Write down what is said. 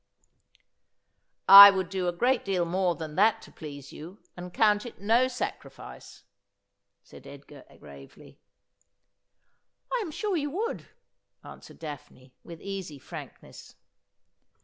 ' I would do a great deal more than that to please you, and count it no sacrifice,' said Edgar gravely. ' I am sure you would,' answered Daphne, with easy frank ness.